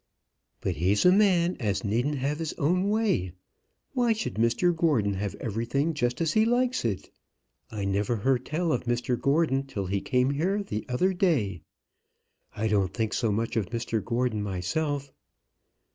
"But he's a man as needn't have his own way. Why should Mr Gordon have everything just as he likes it? I never heard tell of Mr Gordon till he came here the other day. I don't think so much of Mr Gordon myself."